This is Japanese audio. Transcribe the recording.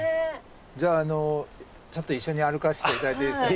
じゃあちょっと一緒に歩かせて頂いていいですか？